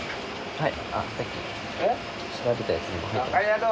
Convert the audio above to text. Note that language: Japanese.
はい。